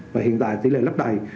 và hiện tại tỷ lệ lấp đầy